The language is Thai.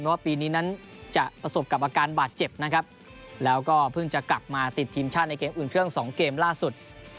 ว่าปีนี้นั้นจะประสบกับอาการบาดเจ็บนะครับแล้วก็เพิ่งจะกลับมาติดทีมชาติในเกมอื่นเครื่องสองเกมล่าสุด